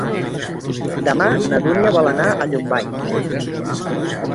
Demà na Dúnia vol anar a Llombai.